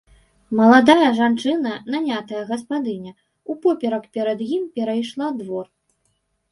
Маладая жанчына, нанятая гаспадыня, упоперак перад ім перайшла двор.